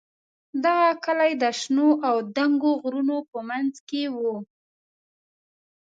دغه کلی د شنو او دنګو غرونو په منځ کې و.